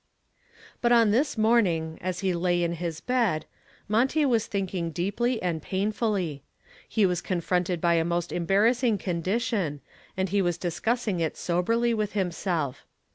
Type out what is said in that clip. But on this morning, as he lay in his bed, Monty was thinking deeply and painfully. He was confronted by a most embarrassing condition and he was discussing it soberly with himself.